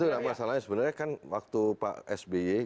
itu tidak masalahnya sebenarnya kan waktu pak sby